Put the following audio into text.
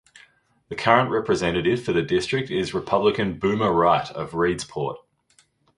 The current representative for the district is Republican Boomer Wright of Reedsport.